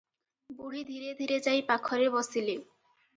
ବୁଢ଼ୀ ଧିରେ ଧିରେ ଯାଇ ପାଖରେ ବସିଲେ ।